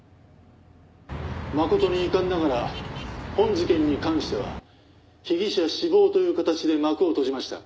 「誠に遺憾ながら本事件に関しては被疑者死亡という形で幕を閉じました」